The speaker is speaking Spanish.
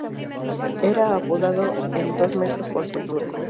Era apodado el "dos metros" por su altura.